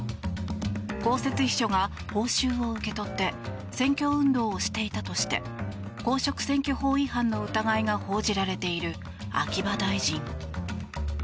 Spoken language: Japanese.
公設秘書が報酬を受け取って選挙運動をしていたとして公職選挙法違反の疑いが報じられている秋葉大臣。